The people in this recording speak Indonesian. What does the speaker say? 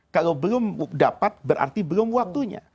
kalau belum dapat berarti belum waktunya